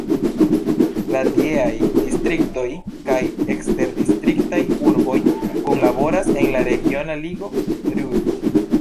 La tieaj distriktoj kaj eksterdistriktaj urboj kunlaboras en la regiona ligo Ruhr.